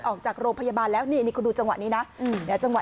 ออกจากโรงพยาบาลแล้วนี่นี่คุณดูจังหวะนี้นะเดี๋ยวจังหว